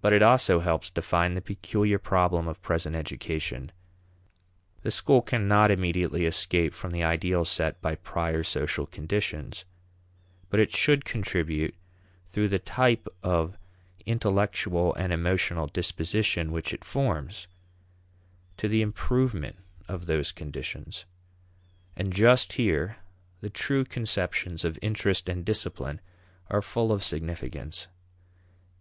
But it also helps define the peculiar problem of present education. The school cannot immediately escape from the ideals set by prior social conditions. But it should contribute through the type of intellectual and emotional disposition which it forms to the improvement of those conditions. And just here the true conceptions of interest and discipline are full of significance.